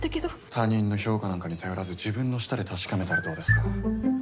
他人の評価なんかに頼らず自分の舌で確かめたらどうですか？